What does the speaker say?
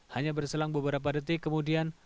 hanya berselang beberapa detik kemudian